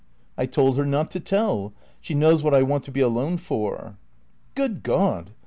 "I told her not to tell. She knows what I want to be alone for." "Good God!"